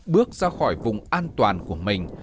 bước ra khỏi vùng an toàn của mình